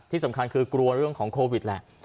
ที่สำคัญคือกลัวเรื่องของโควิดแหละ